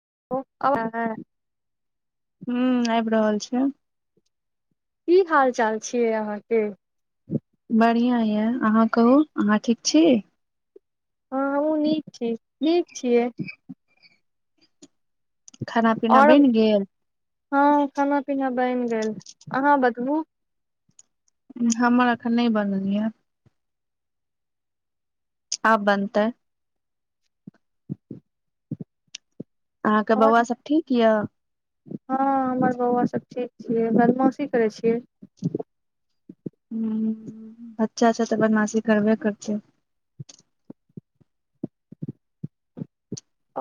[unintelligible] हुंआबि रहल छै की हाल चाल छियै अहाँके बढ़िआँ यए अहाँ कहू अहाँ ठीक छी हँ हम नीक छी नीक छियै खाना पीना आओर बनि गेल हँ खाना पीना बनि गेल अहाँ बतबू हमर एखन नहि बनल य आब बनतै अहाँके बौआ आओर सभ ठीक य हँ हमर बौआ सभ ठीक छियै बदमाशी करै छियै हं बच्चा सब तऽ बदमाशी करबे करै छै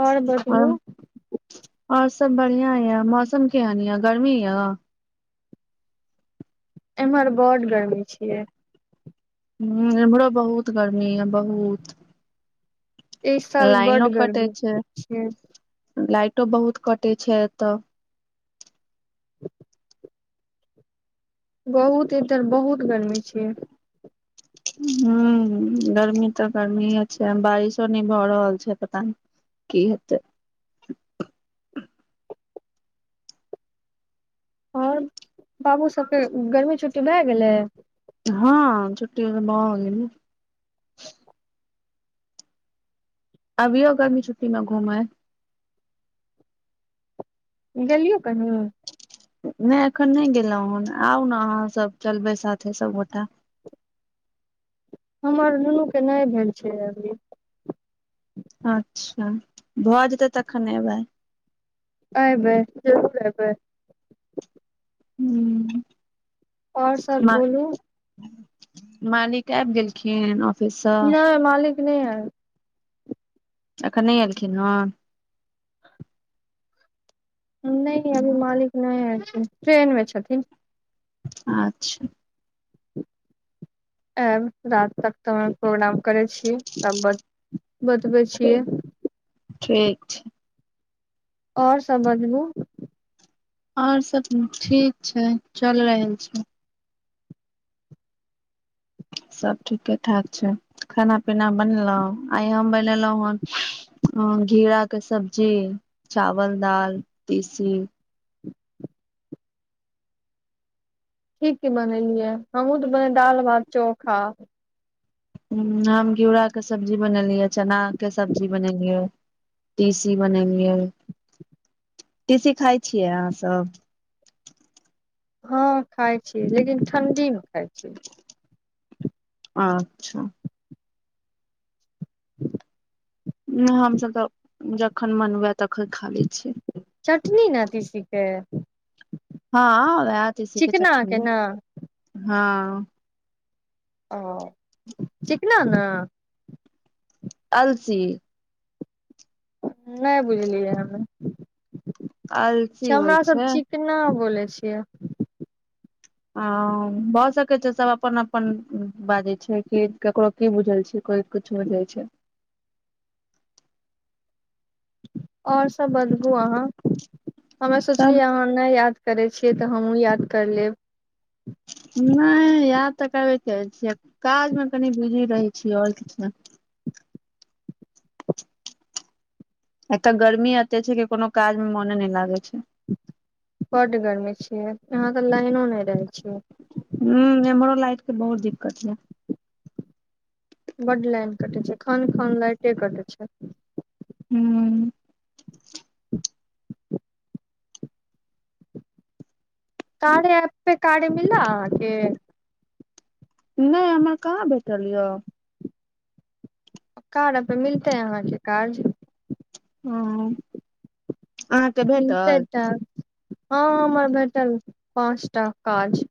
आओर बताबू आओर आओर सभ बढ़ियां ये मौसम केहन अए गर्मी अए एम्हर बड्ड गर्मी छियै हुँ एम्हरो बहुत गर्मी अए बहुत एहि साल लाइनो बड्ड कटे गर्मी छै छियै लाइटो बहुत कटै छै एतऽ बहुत इधर बहुत गर्मी छियै। हुँ गर्मी तऽ गर्मीये छै बारिसो नहि भऽ रहल छै पता नहि की हेतैक आओर बाबू सभकेँ गर्मी छुट्टी भए गेलै हँ छुट्टी ओ तऽ भऽ गेलै अबियौ गर्मी छुट्टीमे घुमैय गेलियै कहियो नहि एखन नहि गेलहुँ हन आउ न अहाँसभ चलबै साथे सभगोटा हमर दुुनूकेँ नहि भेल छै अभी अच्छा भऽ जेतै तखन अएबै अएबै जरूर अएबै हूँ आओर सभ मा बोलू मालिक आबि गेलखिन ऑफिससँ नहि मालिक नै आएल एखन नहि अएलखिन हन नहि अभी मालिक नहि आएल ट्रेन मे छथिन अच्छा ऐब रात तकल फोन आब करैय छियै तब बतबै छियै ठीक छै। आओर सभ बताबू आओर सभ ठीक छै चलि रहल छै सभ ठीके ठाक छै खाना पीना बनेलहुँ आइ हम बनेलहुँ हन घेराकेँ सब्जी चावल दाल तीसी की की बनेलियै हमहुँ तऽ बनेलि दालि भात चोखा हुँ हम घिउराकेँ सब्जी बनेलियै चनाकेँ सब्जी बनेलियै तीसी बनेलियै तीसी खाइ छियै अहाँसभ हँ खाइत छीयै लेकिन ठण्ढीमे खाइत छीयै अच्छा ह [inaudible] नहि हमसभ तऽ जखन मन हुए तखन खा लै छियै चटनी न तीसीकेँ हँ वएह तीसी केँ चिकना चटनी के ने हँ ह [inaudible] ओ चिकना न अलसी नहि बुझलियै हमे अलसी होइ हमरा सब छै चिकना बोले छै आ भऽ सकै छै सभ अपन अपन बाजै छै कि ककरो की बुझल छै कोइ किछु बुझै छै और सभ बदबू अहाँ हमे सब सोचलिय अहाँ नहि याद करै छियै तऽ हमहुँ याद कर लेब नहि याद तऽ करबे करै छियै काजमे कनि बिजी रहै छीयै और किछु नहि एतऽ गर्मी एते छै कि कोनो काज मे मोने नहि लागे छै बड गर्मी छिय यहाँ त लाइनो नहि रहे छै ह एम्हरो लाइट बहुत दिक्कत है बड्ड लाइन कटै छै खन खन लाइटे कटै छै हूं कार्य ऐप पे कार्य मिला अहांके नहि हमरा कहाँ भैटल य कार्यपर मिलतै अहाँके काज ह अहाँके मिलते भेटल टास्क हँ हमरा भेटल पाँच टा काज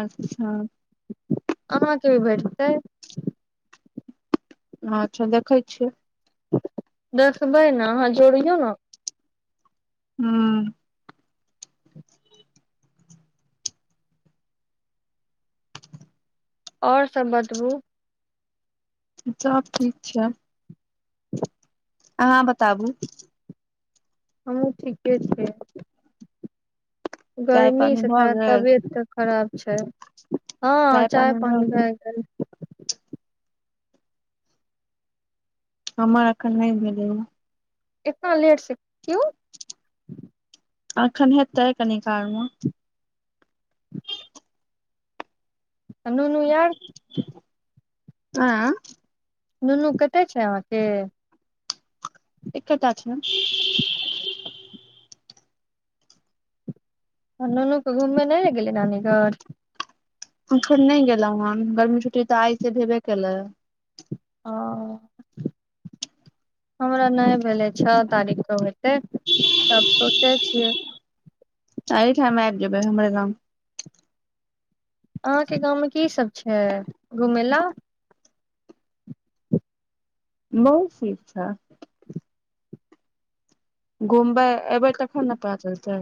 अच्छा अहाँके भी भेटतै हं अच्छा देखै छियै देखबै ने अहाँ जोड़ियौ न हूं आओर सब बतबू सब ठीक छै अहाँ बताबू हमहु ठीके छियै चाय गर्मी पानी से भऽ त गेल तबियत खराब छै हँ चाय पानि भ गेल हमरा अखन नहि भेलै हं एतना लेटसँ क्यूं एखन हेतै कनिकालमे नूनू यार आँ नुनू कतेक छै अहाँके एकेटा छै आ नुनूके घूममे नहि ल गेलै नानी घर अखन नहि गेलहुँ हन गर्मी छुट्टी तऽ आइसँ भेबे केलै ओ हमरा नहि भेलै छओ तारीख के हो तै तब सोचै छियै अहि ठइमे आबि जेबै हमर गाँव अहाँके गाँवमे कीसभ छै घुमय ला बहुत चीज छय घुमबै एयबै तखन ने पता चलतै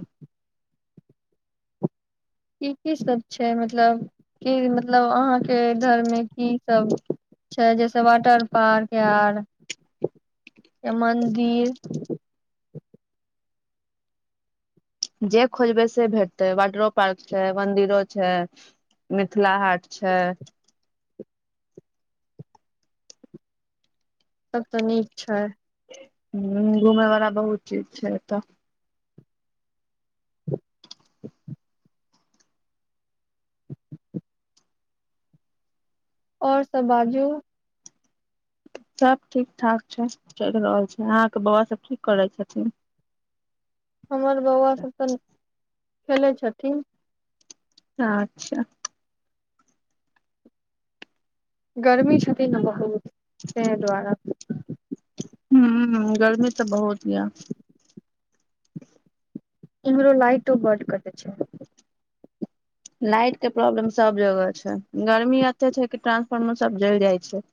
की की सब छै मतलब की मतलब अहाँके के घर मे की सब छै जैसे वाटर पार्क आर य मन्दिर जे खोजबै से भेटतै वाटरो पार्क छै मन्दिरो छै मिथिला हाट छै सभ तऽ नीक छै ह घुमयवला बहुत चीज छै एतऽ [inaudible] आओर सब बाजो सभ ठीक ठाक छै चलि रहल छै अहाँके बउआ सभ कि करै छथिन हमर बौआ सब तऽ खेलै छथिन अच्छा गरमी छथित ने बहुत त द्वारा हँ ह गर्मी तऽ बहुत य इमहरो लाइटो बड़ कटय छै लाइटके प्रॉब्लम सभ जगह छै गर्मी एते छै कि ट्रांसफार्मर सभ जरि जाइ छै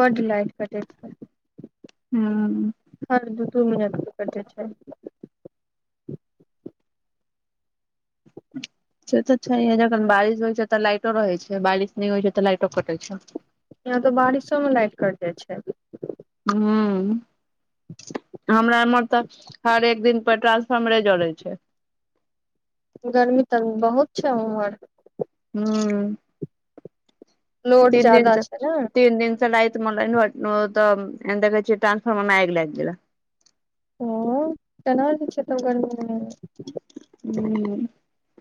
बड्ड लाइट कटय छै हँ हर दू दू मिनत कटे छै से तऽ छैह जखन बारिश होइ छै तऽ लाइटो रहै छै बारिश नहि होइ छै तऽ लाइटो कटैत छै यहाँ तऽ बारिशोमे लाइट कट जाइ छै ह्म हमरा एमहर तऽ हरेक दिनपर ट्रांसफारर्मरे जड़ै छै गर्मी तऽ बहुत छै उमहर हँ लोड तीन दिन ज्यादा च छै ने तीन दिन च लत ऽ म तऽ एन्द कह टरान्सफॉर्मर मे आगि लग गेलय ओ केना जे छै तब गर्मी मे हू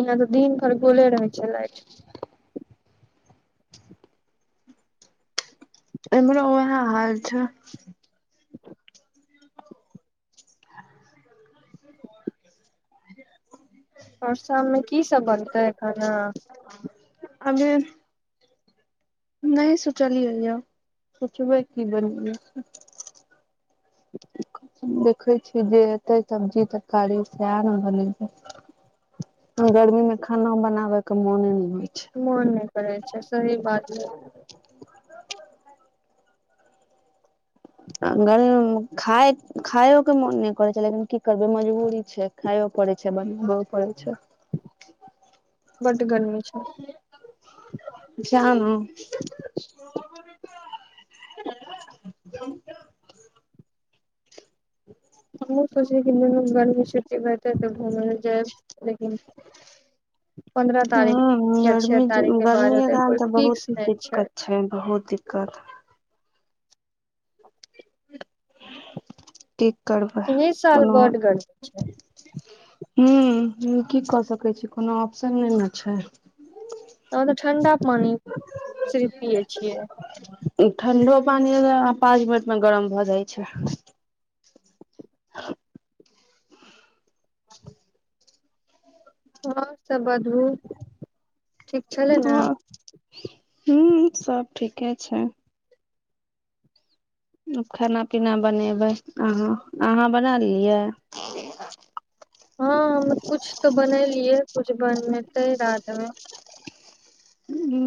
यहाँ तऽ दिन भरि गुले रहै छै लाइट [inaudible] एमहरो वएह हाल छै आ [inaudible] परसामे कीसभ बनतै खाना अभर नहि सोचलियैया सोचबै की बनै देखे छी जे एते सब्जी तरकारी सह ने रहले गर्मी मे खाना बनाबे के मोने ने हो मोन नहि करै छै सही बात खाइ खाइो के मोन नहि करै छै लेकिन की करबै मजबूरी छै खाइो पड़ैत छै बनाबो पड़ै छै बड गर्मी छै जाम [inaudible] [inaudible] हमहूँ सोचल कि गर्मी छुट्टी रहतै तऽ घूमय ल जायब लेकिन पन्द्रह तारीख या छओ गर्मी तारीखके गर्मी बाद के हेतै कारण कोइ तऽ बहुत फिक्स नहि छै दिक्कत बहुत दिक्कत की करबै एहि साल कोनो बड गर्मी छै ह्म की कऽ सकै छी कोनो ऑप्शन नहि ने छै ठण्डा पानी सिफ पियै छियै ठण्डो पानि पाँच मिनटमे गरम भऽ जाइ छै ह ह हर सभ बताबू हँ हँ सब ठीके छै खाना पीना बनेबै अहाँ अहाँ बना लेलियै हँ हम कुछ तऽ बनेलियै कुछ बनतै रातमे ह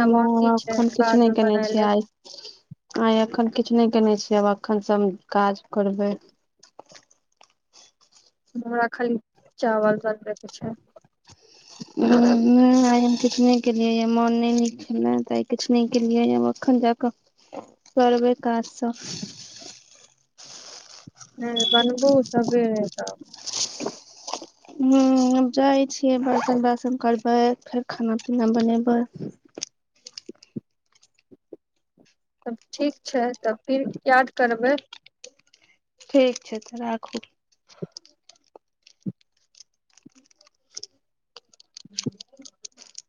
हमहु बाकी छै एखन किछु बाद नहि मे केने बना छीयै लेब आइ किछु नहि केयने छियै आब एखन सब काज करबै हमरा खाली चावल बन छै नहि आइ हम किछु नहि केलियै मोन नहि नीक छल न तो आइ किछु नहि केलियै अखन जाक करबे काजसँ ह बनबौ सबेरे तब ह आब जाइ छियै बर्तन बाशन करबै फेर खाना पीना बनेबै तब ठीक छै तब फिर याद करबै ठीक छै तऽ राखू ह [inaudible]